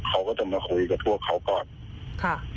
เขาก็จะมาคุยกับพวกเขาก่อนค่ะ